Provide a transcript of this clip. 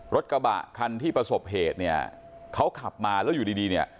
รถกระบะที่ประสบเหตุเขาขับมาแล้วอยู่ดี